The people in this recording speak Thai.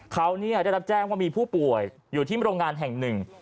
เขาได้รับแจ้งว่ามีผู้ป่วยอยู่ที่โรงงานแห่งหนึ่ง